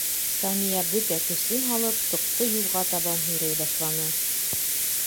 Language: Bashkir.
Сания бөтә көсөн һалып тоҡто юлға табан һөйрәй башланы.